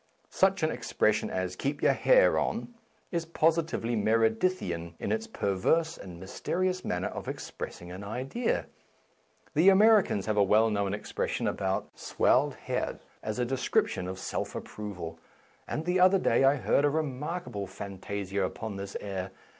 Such an expression as Keep your hair on " is posi tively Meredithian in its perverse and mys terious manner of expressing an idea. The Americans have a well known expression about " swelled head " as a description of self approval, and the other day I heard a remarkable fantasia upon this air.